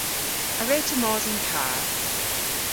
A wre'ta mos yn karr?